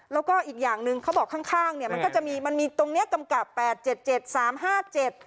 แล้วก็อีกอย่างหนึ่งเขาบอกข้างข้างเนี่ยมันก็จะมีมันมีตรงเนี้ยกำกับแปดเจ็ดเจ็ดสามห้าเจ็ด